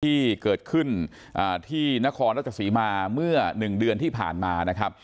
ที่เกิดขึ้นที่นครราชสีมาเมื่อ๑เดือนที่ผ่านมานะครับ